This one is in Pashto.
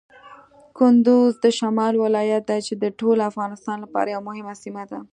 کندز د شمال ولایت دی چې د ټول افغانستان لپاره یوه مهمه سیمه ده.